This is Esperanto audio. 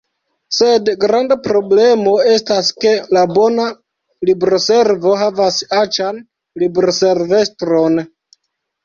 Sed granda problemo estas ke la bona libroservo havas aĉan libroservestron.